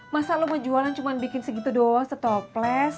masa lo mau jualan cuma bikin segitu doa setoples